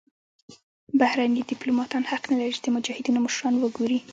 بهرني دیپلوماتان حق نلري چې د مجاهدینو مشران وګوري.